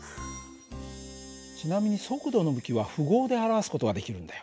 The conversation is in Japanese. ちなみに速度の向きは符号で表す事ができるんだよ。